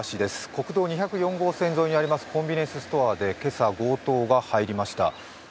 国道２０４号線にあるコンビニエンスストアに今朝、強盗が入りました。